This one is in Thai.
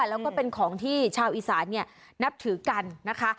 แล้วก็เป็นของที่ชาวอีสานนับถือกันนะคะ